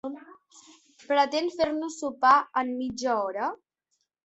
Pretén fer-nos sopar en mitja hora?